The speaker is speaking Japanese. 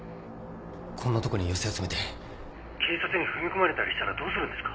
こんなとこに寄せ集めて警察に踏み込まれたりしたらどうするんですか？